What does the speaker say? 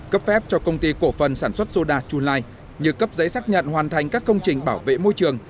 cấp phép cho công ty cổ phần sản xuất soda chu lai như cấp giấy xác nhận hoàn thành các công trình bảo vệ môi trường